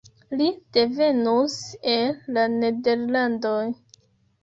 Li devenus el la Nederlandoj.